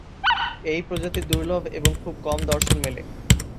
এই প্রজাতি দুর্লভ এবং খুব কম দর্শন মেলে।